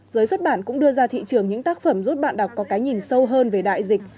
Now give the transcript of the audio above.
giới xuất bản cũng đưa ra thị trường những tác phẩm giúp bạn đọc có cái nhìn sâu hơn về đại dịch